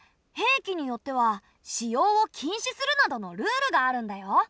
兵器によっては使用を禁止するなどのルールがあるんだよ。